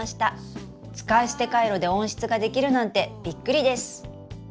使い捨てカイロで温室ができるなんてビックリです。